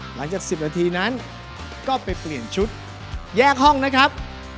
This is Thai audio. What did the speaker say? หลังจาก๑๐นาทีนั้นก็ไปเปลี่ยนชุดแยกห้องนะครับ